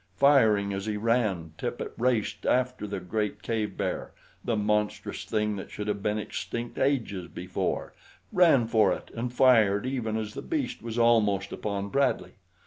Firing as he ran, Tippet raced after the great cave bear the monstrous thing that should have been extinct ages before ran for it and fired even as the beast was almost upon Bradley.